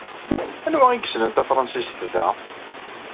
Anwa ay yessnen tafṛensist da?